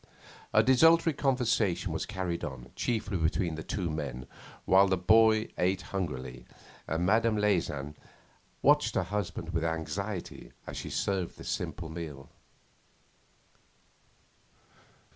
A desultory conversation was carried on, chiefly between the two men, while the boy ate hungrily, and Mme. Leysin watched her husband with anxiety as she served the simple meal.